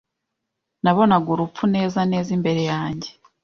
Nabonaga urupfu neza neza imbere yanjye